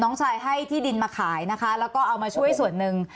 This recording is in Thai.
น้องชายให้ที่ดินมาขายนะคะแล้วก็เอามาช่วยส่วนหนึ่ง